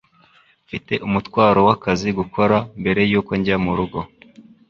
Mfite umutwaro w'akazi gukora mbere yuko njya murugo.